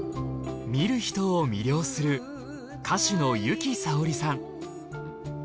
見る人を魅了する歌手の由紀さおりさん。